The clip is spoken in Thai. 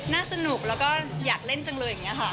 สนุกแล้วก็อยากเล่นจังเลยอย่างนี้ค่ะ